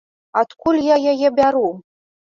Адкуль я яе бяру?